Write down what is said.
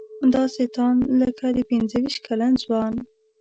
داسې تاند لکه د پنځه ویشت کلن ځوان.